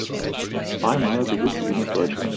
Zweimal besuchte sie noch Deutschland.